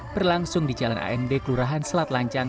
berlangsung di jalan amd kelurahan selat lancang